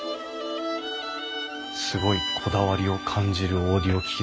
すごいこだわりを感じるオーディオ機器ですね。